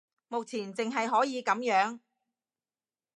目前淨係可以噉樣